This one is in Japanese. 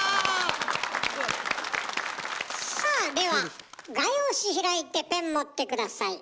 すごい。さあでは画用紙開いてペン持って下さい。